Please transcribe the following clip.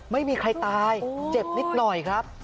ไม่มีใครตายเจ็บนิดหน่อยครับ